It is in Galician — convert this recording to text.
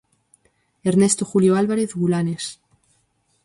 Ernesto Julio Álvarez Gulanes